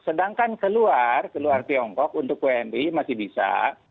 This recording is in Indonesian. sedangkan keluar keluar tiongkok untuk wni masih bisa